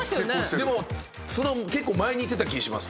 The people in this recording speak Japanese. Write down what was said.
でも結構前に行ってた気します。